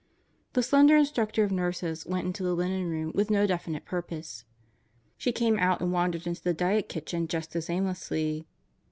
The slender Instructor of Nurses went into the linen room with no definite purpose. She came out and wandered into the diet kitchen just as aimlessly.